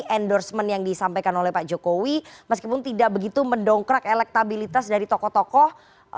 endorsement yang disampaikan oleh pak jokowi meskipun tidak begitu mendongkrak elektabilitas dari tokoh tokoh